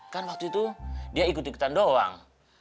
kan waktu itu dia ikut ikutan doang